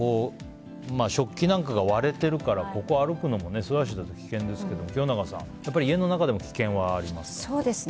食器なんかが割れてるからここ歩くのも素足だと危険ですけど清永さん、家の中にも危険はありますか？